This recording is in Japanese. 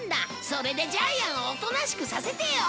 それでジャイアンをおとなしくさせてよ